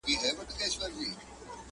چي دا سپین ږیري دروغ وايي که ریشتیا سمېږي؛